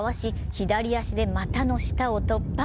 左足で股の下を突破。